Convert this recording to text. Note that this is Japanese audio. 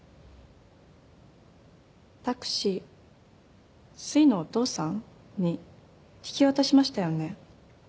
タクシーすいのお父さん？に引き渡しましたよね？